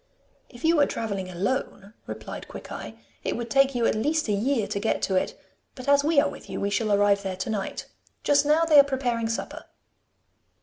'If you were travelling alone,' replied Quickeye, 'it would take you at least a year to get to it; but as we are with you, we shall arrive there to night. Just now they are preparing supper.